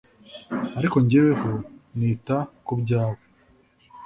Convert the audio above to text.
ariko jyeweho nita kubyawe